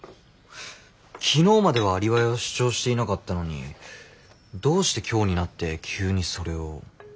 昨日まではアリバイを主張していなかったのにどうして今日になって急にそれを。